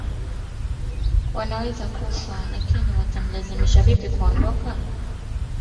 wanaweza kufa lakini wata watamlazimisha vipi kuondoka